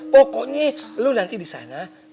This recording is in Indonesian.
pokoknya lo nanti di sana bisa belanja barang